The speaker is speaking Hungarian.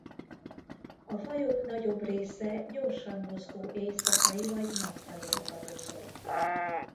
A fajok nagyobb része gyorsan mozgó éjszakai vagy nappali ragadozó.